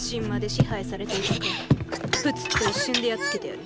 プツッと一瞬でやっつけてやる。